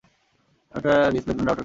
আমি একটা replacement router কিনতে চাই।